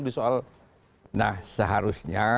di soal nah seharusnya